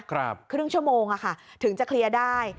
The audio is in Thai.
ครึ่งชั่วโมงอะค่ะถึงจะเคลียร์ได้